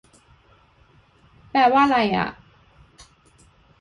แปลว่าไรอ่ะ